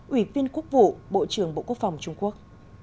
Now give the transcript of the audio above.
ủy viên quốc vụ bộ trưởng bộ quốc phòng trung quốc